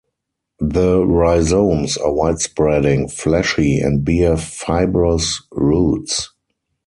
The rhizomes are wide-spreading, fleshy, and bear fibrous roots.